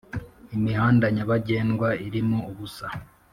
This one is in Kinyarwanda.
Imihanda nyabagendwa irimo ubusa,